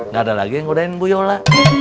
gak ada lagi yang ngodain bu yola